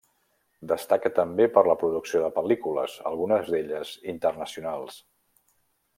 Destaca també per la producció de pel·lícules, algunes d'elles internacionals.